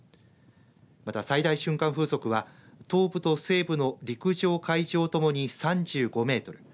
また、最大瞬間風速は東部と西部の陸上、海上ともに３５メートル。